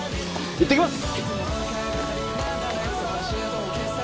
行ってきます！